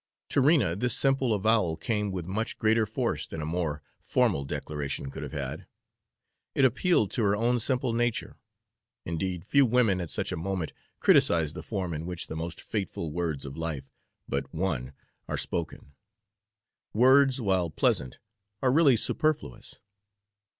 To Rena this simple avowal came with much greater force than a more formal declaration could have had. It appealed to her own simple nature. Indeed, few women at such a moment criticise the form in which the most fateful words of life but one are spoken. Words, while pleasant, are really superfluous.